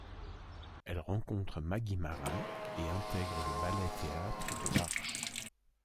Elle rencontre Maguy Marin et intègre le ballet-théâtre de l’Arche.